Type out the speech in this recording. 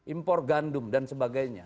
impor gandum dan sebagainya